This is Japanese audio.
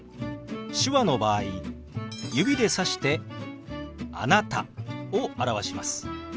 手話の場合指でさして「あなた」を表します。